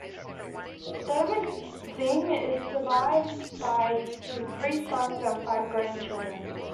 David Zingg is survived by his three sons and five grandchildren.